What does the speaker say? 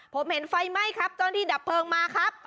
ผมเห็นไฟไหม้ครับเจ้าหน้าที่ดับเพลิงมาครับ